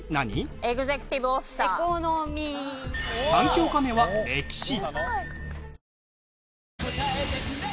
３教科目は歴史。